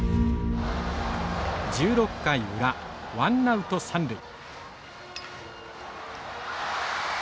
１６回裏ワンナウト三塁。